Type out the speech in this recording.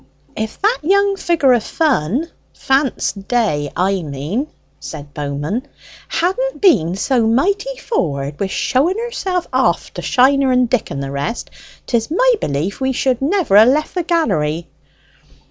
"If that young figure of fun Fance Day, I mean," said Bowman, "hadn't been so mighty forward wi' showing herself off to Shiner and Dick and the rest, 'tis my belief we should never ha' left the gallery."